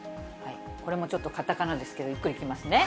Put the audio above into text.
これもちょっとカタカナですけど、ゆっくりいきますね。